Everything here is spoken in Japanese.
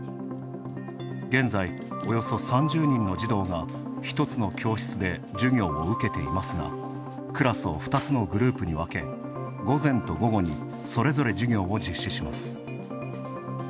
現在、およそ３０人の児童が一つの教室で授業を受けていますが、クラスを２つのグループに分け、午前と午後にそれぞれ授業を実施します。